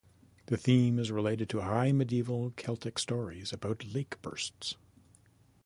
The theme is related to high-medieval Celtic stories about lake-bursts.